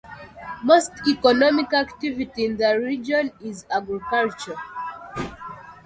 Most economic activity in the region is agricultural.